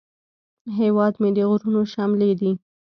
هیواد مې د غرونو شملې دي